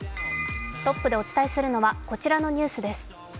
トップでお伝えするのはこちらのニュースです。